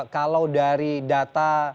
kalau dari data